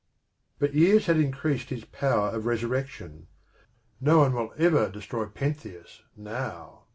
But years had increased his power of resurrection : 44 PENTHEUS no one will ever destroy Pentheus now.